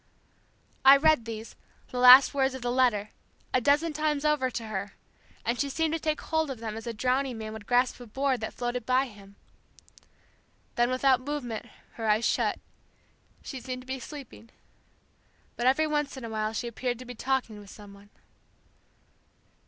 '" "I read these, the last words of the letter, a dozen times over to her and she seemed to take hold of them as a drowning man would grasp a board that floated by him then without movement, with her eyes shut, she seemed to be sleeping, but every once in a while she appeared to be talking with someone."